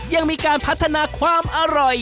ยังมีการพัฒนาความอร่อย